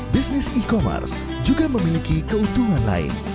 bisnis e commerce juga memiliki keuntungan lain